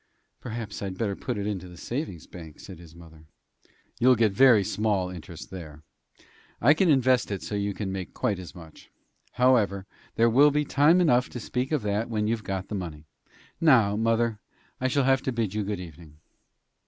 "Perhaps I'd better put it into the savings bank," said his stepmother. "You'll get very small interest there; I can invest it so you can make quite as much. However, there will be time enough to speak of that when you've got the money. Now, mother, I shall have to bid you good evening."